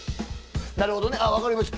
「なるほどねああ分かりました。